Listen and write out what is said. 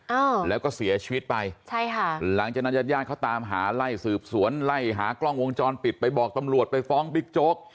อ้าวแล้วก็เสียชีวิตไปใช่ค่ะหลังจากนั้นญาติญาติเขาตามหาไล่สืบสวนไล่หากล้องวงจรปิดไปบอกตำรวจไปฟ้องบิ๊กโจ๊ก